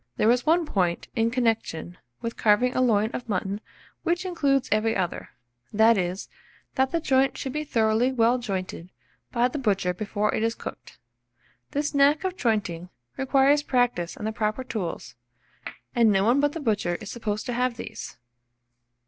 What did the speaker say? There is one point in connection with carving a loin of mutton which includes every other; that is, that the joint should be thoroughly well jointed by the butcher before it is cooked. This knack of jointing requires practice and the proper tools; and no one but the butcher is supposed to have these.